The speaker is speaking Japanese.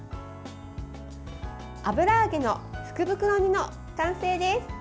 油揚げの福袋煮の完成です。